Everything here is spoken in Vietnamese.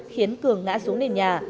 khiến cường ngã xuống nền nhà